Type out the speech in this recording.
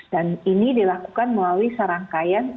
dan ini dilakukan melalui serangkaian